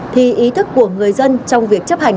thì ý thức của người dân trong việc chấp hành